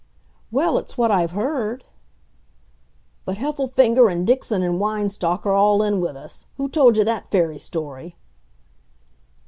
"Well, it's what I've heard." "But Heffelfinger and Dixon and Weinstock are all in with us; who told you that fairy story?"